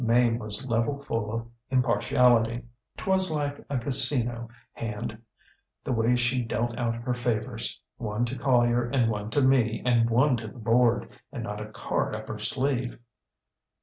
Mame was level full of impartiality. ŌĆÖTwas like a casino hand the way she dealt out her favoursŌĆöone to Collier and one to me and one to the board, and not a card up her sleeve.